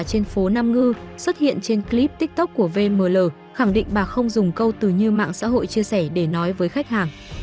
trên phố nam ngư xuất hiện trên clip tiktok của vml khẳng định bà không dùng câu từ như mạng xã hội chia sẻ để nói với khách hàng